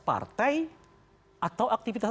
partai atau aktivitas